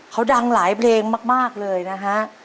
เขาดังหลายเพลงมากเลยนะฮะ